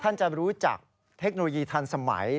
ท่านจะรู้จักเทคโนโลยีทันสมัย